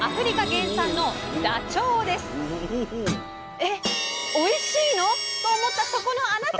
えおいしいの？と思ったそこのあなた！